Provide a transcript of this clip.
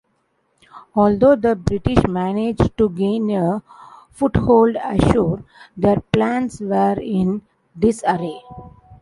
Although the British managed to gain a foothold ashore, their plans were in disarray.